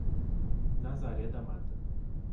Nazaré da Mata